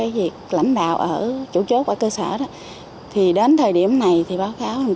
cái trách nhiệm trong việc lãnh đạo ở chỗ chốt của cơ sở thì đến thời điểm này thì báo kháo cũng